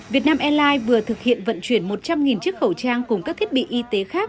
việt nam airlines vừa thực hiện vận chuyển một trăm linh chiếc khẩu trang cùng các thiết bị y tế khác